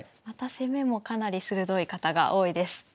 また攻めもかなり鋭い方が多いです。